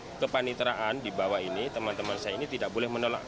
itu kepaniteraan di bawah ini teman teman saya ini tidak boleh menolak